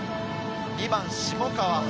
２番・下川温